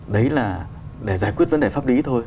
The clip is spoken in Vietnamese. đấy là để giải quyết vấn đề pháp lý thôi